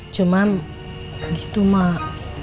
cuma gitu mak